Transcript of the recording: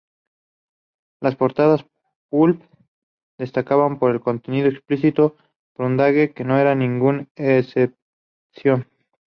Las portadas pulp destacaban por su contenido explícito, y Brundage no era ninguna excepción.